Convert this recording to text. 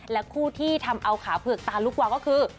และคู่ที่ทำเอาขาเผือกตาลุกวาวก็คือ